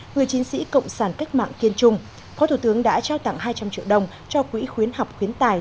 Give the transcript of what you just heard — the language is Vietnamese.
người chiến sĩ cộng sản cách mạng kiên trung phó thủ tướng đã trao tặng hai trăm linh triệu đồng cho quỹ khuyến học khuyến tài